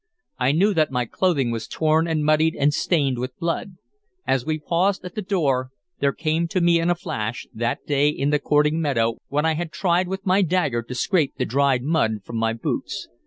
I knew that my clothing was torn and muddied and stained with blood; as we paused at the door there came to me in a flash that day in the courting meadow when I had tried with my dagger to scrape the dried mud from my boots.